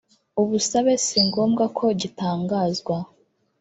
ubusabe si ngombwa ko gitangazwa